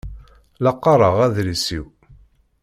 La qqaṛeɣ adlis-iw.